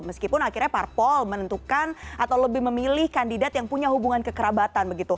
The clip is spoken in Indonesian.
meskipun akhirnya parpol menentukan atau lebih memilih kandidat yang punya hubungan kekerabatan begitu